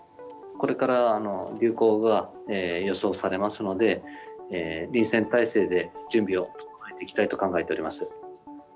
これから流行が予想されますので、臨戦態勢で準備を整えていきたいと考えております。